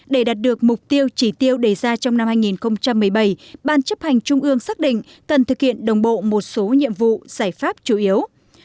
để đạt được mục tiêu chỉ tiêu đề ra trong năm hai nghìn một mươi bảy ban chấp hành trung ương xác định cần thực hiện đồng bộ một số nhiệm vụ giải pháp chủ yếu